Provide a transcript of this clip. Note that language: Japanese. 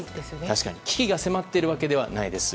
確かに危機が迫っているわけではないです。